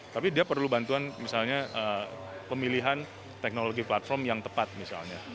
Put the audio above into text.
tapi dia perlu bantuan misalnya pemilihan teknologi platform yang tepat misalnya